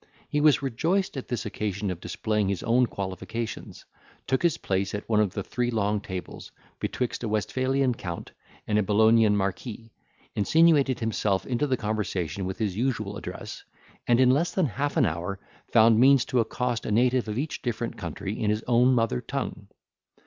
He was rejoiced at this occasion of displaying his own qualifications, took his place at one of the three long tables, betwixt a Westphalian count and a Bolognian marquis, insinuated himself into the conversation with his usual address, and in less than half an hour, found means to accost a native of each different country in his own mother tongue.